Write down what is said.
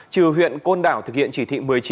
trừ huyện côn đảo thực hiện chỉ thị một mươi chín